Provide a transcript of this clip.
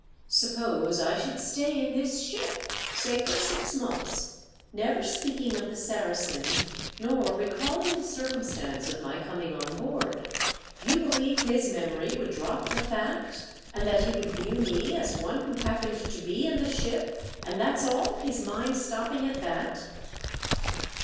"Suppose I should stay in this ship, say for six months, never speakino of the Saracen THE GALE BREAKS. 2O9 nor recalling the circumstance of my coming on board, you believe his memory would drop the fact, and that he would view me as one who happened to be in the ship, and that's all, his mind stopping at that